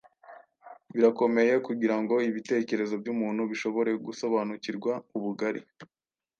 Birakomeye kugira ngo ibitekerezo by’umuntu bishobore gusobanukirwa ubugari,